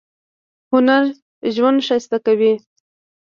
هنر ژوند ښایسته کوي